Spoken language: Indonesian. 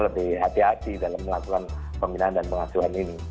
lebih hati hati dalam melakukan pembinaan dan pengasuhan ini